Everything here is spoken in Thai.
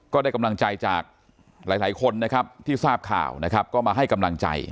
ก็ได้กำลังใจจากหลายคนนะครับที่ทราบข่าวนะครับก็มาให้กำลังใจ